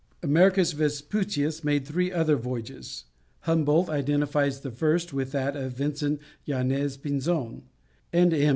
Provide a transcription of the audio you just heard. Americus Vespucius made three other voyages. Humboldt identifies the first with that of Vincent Yañez Pinzon, and M.